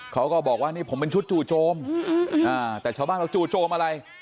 เขาก็บอกว่านี่ผมเป็นชุดจู่โจมแต่ชาวบ้านเราจู่โจมอะไร